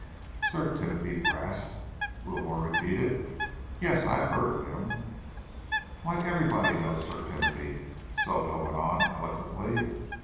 "Sir Timothy Brast," Wilmore repeated. "Yes, I have heard of him." "Why, everybody knows Sir Timothy," Soto went on eloquently.